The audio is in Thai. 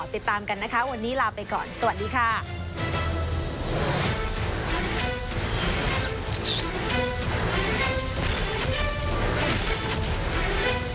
ติดตามกันนะคะวันนี้ลาไปก่อน